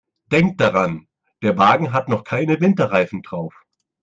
Denk daran, der Wagen hat noch keine Winterreifen drauf.